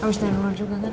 habis naik dulu juga kan